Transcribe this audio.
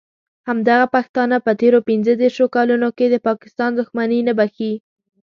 همدغه پښتانه په تېرو پینځه دیرشو کالونو کې د پاکستان دښمني نه بښي.